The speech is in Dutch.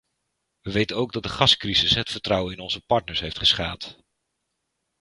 We weten ook dat de gascrisis het vertrouwen in onze partners heeft geschaad.